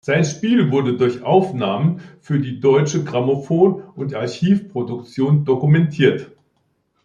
Sein Spiel wurde durch Aufnahmen für die Deutsche Grammophon und Archiv-Produktion dokumentiert.